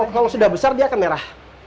kalau sudah besar dia akan merah